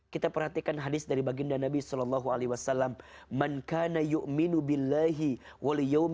kita perhatikan hadis dari baginda nabi saw